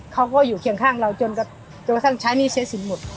เขาก็อยู่เคียงข้างเราจนกระทั่งใช้หนี้ใช้สินหมด